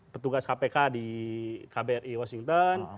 petugas kpk di kbri washington